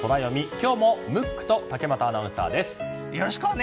今日もムックと竹俣アナウンサーです。